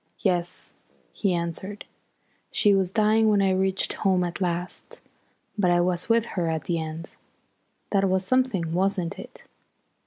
"Yes," he answered. "She was dying when I reached home at last, but I was with her at the end. That was something, wasn't it?"